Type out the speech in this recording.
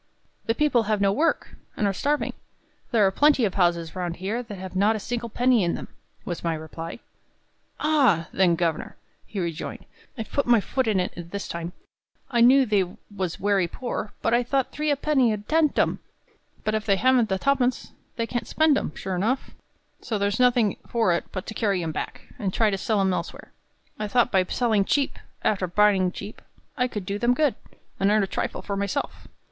"The people have no work, and are starving; there are plenty of houses round here that have not a single penny in them," was my reply. "Ah! then, governor," he rejoined, "I've put my foot in it this time; I knew they was werry poor, but I thought three a penny 'ud tempt 'em. But if they haven't the ha pence, they can't spend 'em, sure enough; so there's nothing for it but to carry 'em back, and try and sell 'em elsewhere. I thought by selling cheap, arter buying cheap, I could do them good, and earn a trifle for myself.